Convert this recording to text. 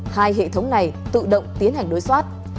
hai hệ thống này tự động tiến hành đối soát